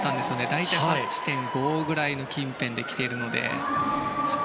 大体８．５ぐらいの近辺で来ているので。